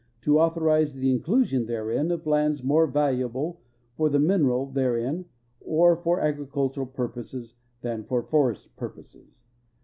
. to authorize the inclusion therein of lands more valuable for the mineral tlierein or for agricultural purposes than for forest purposes."